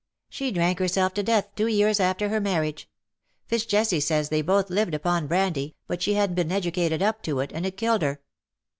'^ She drank herself to death two years after her marriage. FitzJesse says they both lived upon brandy, but she hadn't been educated up to it_, and it killed her."